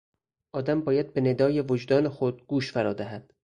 آدم باید به ندای وجدان خود گوش فرا دهد.